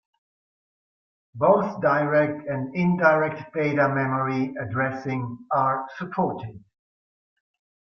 Both direct and indirect data memory addressing are supported.